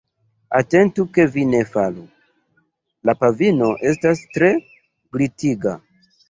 Atentu ke vi ne falu, la pavimo estas tre glitiga.